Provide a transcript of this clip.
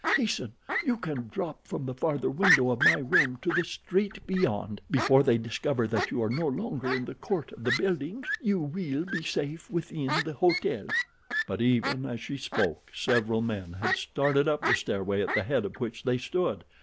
Hasten; you can drop from the farther window of my room to the street beyond. Before they discover that you are no longer in the court of the buildings you will be safe within the hotel." But even as she spoke, several men had started up the stairway at the head of which they stood.